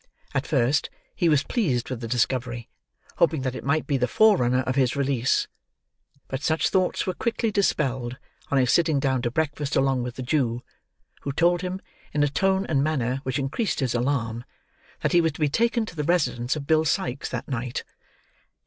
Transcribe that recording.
At first, he was pleased with the discovery: hoping that it might be the forerunner of his release; but such thoughts were quickly dispelled, on his sitting down to breakfast along with the Jew, who told him, in a tone and manner which increased his alarm, that he was to be taken to the residence of Bill Sikes that night.